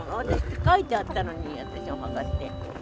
書いてあったのに私のお墓って。